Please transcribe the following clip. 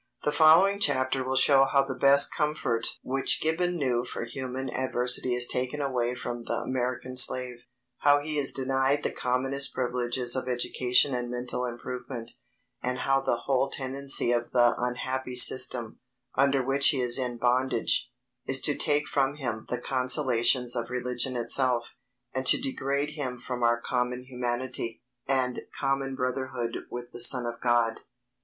The following chapter will show how "the best comfort" which Gibbon knew for human adversity is taken away from the American slave; how he is denied the commonest privileges of education and mental improvement, and how the whole tendency of the unhappy system, under which he is in bondage, is to take from him the consolations of religion itself, and to degrade him from our common humanity, and common brotherhood with the Son of God.